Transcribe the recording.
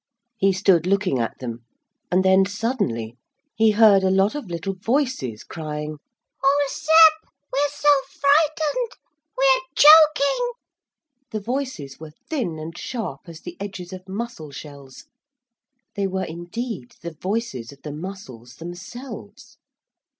He stood looking at them, and then suddenly he heard a lot of little voices crying, 'Oh Sep, we're so frightened, we're choking.' The voices were thin and sharp as the edges of mussel shells. They were indeed the voices of the mussels themselves.